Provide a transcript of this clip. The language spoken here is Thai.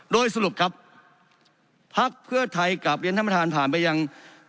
โดยสรุปน์ครับภัคดิ์เพื่อไทยกับเลี้ยนธรรมฐานผ่านไปอย่าง